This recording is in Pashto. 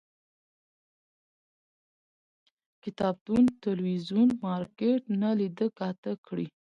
کتابتون، تلویزون، مارکيټ نه لیده کاته کړي